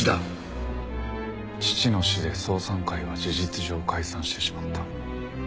父の死で双三会は事実上解散してしまった。